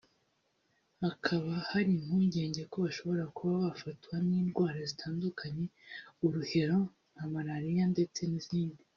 hakaba hari impungenge ko bashobora kuba bafatwa n’indwara zitandukanye uruhero nka Malariya ndetse n’izindi